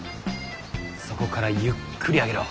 そこからゆっくり上げろ。